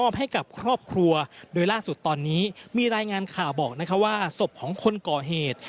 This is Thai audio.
บอกว่าศพของคนก่อเหตุ